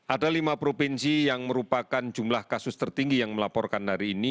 ada lima provinsi yang merupakan jumlah kasus tertinggi yang melaporkan hari ini